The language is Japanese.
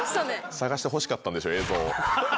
探してほしかったんでしょ映像を。